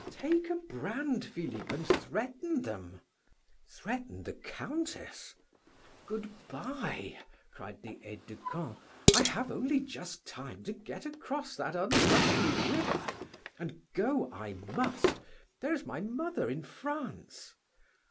"Take a brand, Philip, and threaten them." "Threaten the Countess?..." "Good bye," cried the aide de camp; "I have only just time to get across that unlucky river, and go I must, there is my mother in France!...